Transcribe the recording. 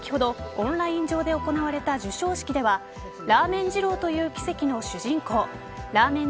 オンライン上で行われた授賞式ではラーメン二郎という奇跡の主人公ラーメン